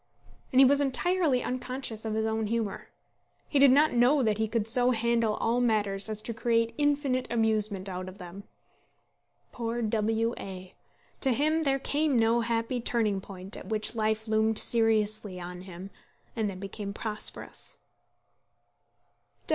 And he was entirely unconscious of his own humour. He did not know that he could so handle all matters as to create infinite amusement out of them. Poor W A ! To him there came no happy turning point at which life loomed seriously on him, and then became prosperous.